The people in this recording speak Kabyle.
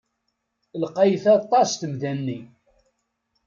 Lqayet aṭas temda-nni.